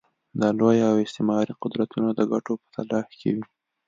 د لوی او استعماري قدرتونه د ګټو په تلاښ کې وي.